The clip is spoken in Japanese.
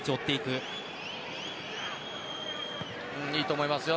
いいと思いますよ。